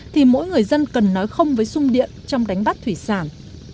thì mỗi người dân cần nói không với sung điện trong đánh bắt thủy sản